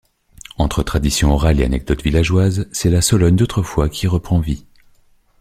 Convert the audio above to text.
Entre tradition orale et anecdotes villageoises, c’est la Sologne d’autrefois qui reprend vie.